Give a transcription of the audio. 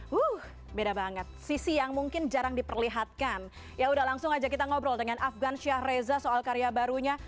wuh beda banget sisi yang mungkin jarang diperlihatkan yaudah langsung aja kita ngobrol dengan afgan syahreza soal karya barunya